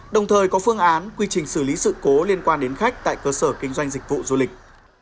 đồng thời có phương án quy trình xử lý sự cố liên quan đến khách tại cơ sở kinh doanh dịch vụ du lịch